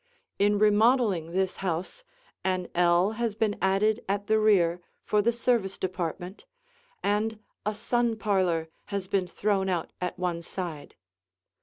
In remodeling this house, an ell has been added at the rear for the service department, and a sun parlor has been thrown out at one side.